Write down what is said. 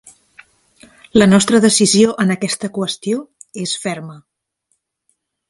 La nostra decisió en aquesta qüestió és ferma.